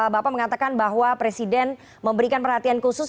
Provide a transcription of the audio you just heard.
bapak mengatakan bahwa presiden memberikan perhatian khusus